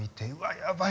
やばい